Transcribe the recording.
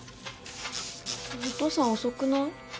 お父さん遅くない？